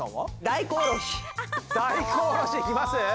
大根おろしいきます？